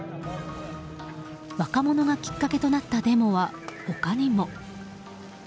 若者がきっかけとなったデモは他にも。